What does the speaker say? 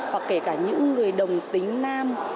hoặc kể cả những người đồng tính nam